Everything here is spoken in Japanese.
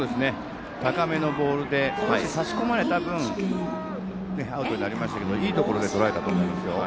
高めのボールで差し込まれた分アウトになりましたがいいところでとらえたと思います。